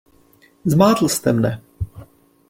Zmátl jste mne.